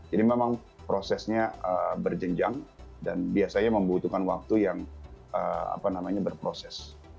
jadi memang prosesnya berjenjang dan biasanya membutuhkan waktu yang berproses